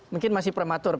mungkin masih prematur